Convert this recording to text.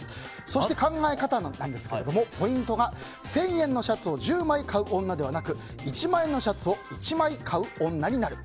そして、考え方なんですがポイントが１０００円のシャツを１０枚買う女ではなく１万円のシャツを１枚買う女になる。